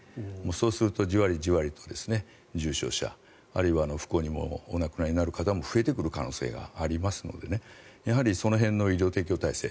そうすると、じわりじわりと重症者、あるいは不幸にもお亡くなりになる方も増えてくる可能性があるのでその辺の医療提供体制